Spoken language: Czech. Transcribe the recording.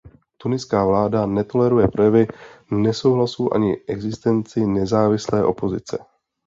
Tuniská vláda netoleruje projevy nesouhlasu ani existenci nezávislé opozice.